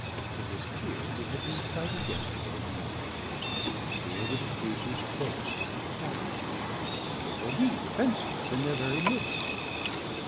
It was clear we had been sighted yesterday in the morning; here were the cruiser's boats to cut us out; here were we defenceless in their very midst.